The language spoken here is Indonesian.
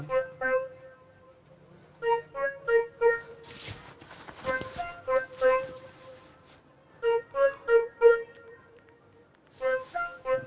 tidak ada aja pomo